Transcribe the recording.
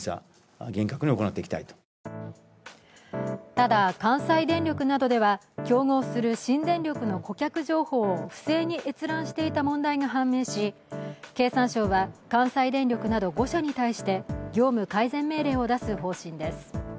ただ関西電力などでは競合する新電力の顧客情報を不正に閲覧していた問題が判明し、経産省は関西電力など５社に対して業務改善命令を出す方針です。